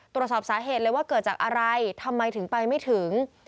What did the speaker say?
ตรวจสอบสาเหตุเลยว่าเกิดจากอะไรทำไมถึงไปไม่ถึง